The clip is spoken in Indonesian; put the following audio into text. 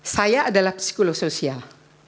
saya adalah psikolog sosial